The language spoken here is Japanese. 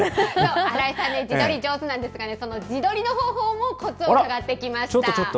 新井さん、自撮り上手なんですが、その自撮りの方法もコツを伺ってきました。